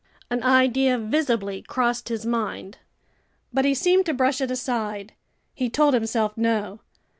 An idea visibly crossed his mind. But he seemed to brush it aside. He told himself no.